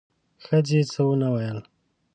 ښځې څه ونه ویل: